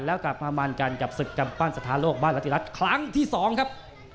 แล้วกลับมาบรรกันกับศึกกรรมปั้นสถานโลกบ้านรัฐิรัฐครั้งที่สองครับ